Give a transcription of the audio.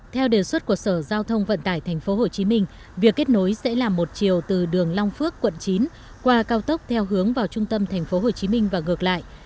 theo đề xuất của sở giao thông vận tải tp hcm việc kết nối sẽ là một chiều từ đường long phước quận chín qua cao tốc theo hướng vào trung tâm tp hcm và ngược lại